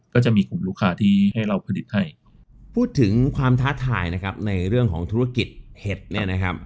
ก็จะมีกลุ่มลูกค้าที่ให้เราผลิตให้พูดถึงความท้าทายนะครับในเรื่องของธุรกิจเห็ดเนี่ยนะครับ